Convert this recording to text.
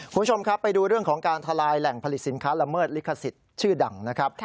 คุณผู้ชมครับไปดูเรื่องของการทลายแหล่งผลิตสินค้าละเมิดลิขสิทธิ์ชื่อดังนะครับ